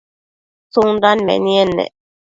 tsundan menied ne?